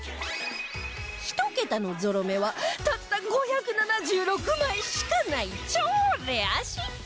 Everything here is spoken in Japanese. １桁のゾロ目はたった５７６枚しかない超レア紙幣